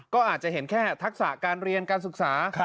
ก็อาจจะเห็นแค่ทักษะการเรียนการศึกษา